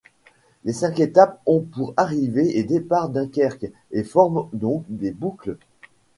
Les cinq étapes ont pour arrivée et départ Dunkerque, et forment donc des boucles.